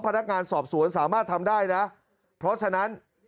พนักงานสอบสวนสามารถทำได้นะเพราะฉะนั้น